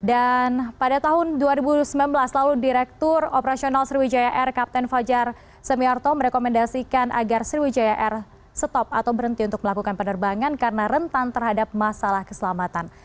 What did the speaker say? dan pada tahun dua ribu sembilan belas lalu direktur operasional sriwijaya air kapten fajar semiarto merekomendasikan agar sriwijaya air stop atau berhenti untuk melakukan penerbangan karena rentan terhadap masalah keselamatan